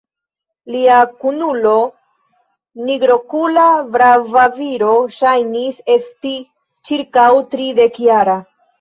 Lia kunulo, nigrokula brava viro, ŝajnis esti ĉirkaŭ tridekjara.